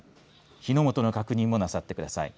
火の元の確認もなさってください。